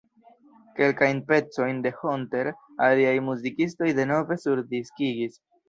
Kelkajn pecojn de Hunter aliaj muzikistoj denove surdiskigis.